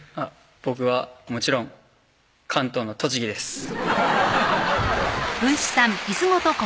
僕はもちろん関東の栃木ですそう